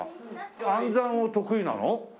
暗算は得意なの？